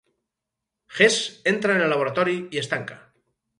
Hesse entra en el laboratori i es tanca.